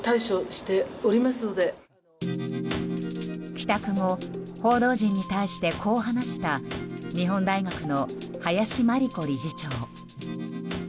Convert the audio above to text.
帰宅後、報道陣に対してこう話した日本大学の林真理子理事長。